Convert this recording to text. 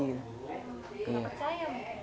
nggak percaya mungkin ya